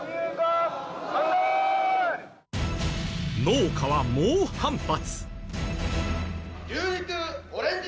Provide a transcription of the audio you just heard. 農家は猛反発。